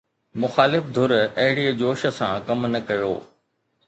مخالف ڌر اهڙي جوش سان ڪم نه ڪيو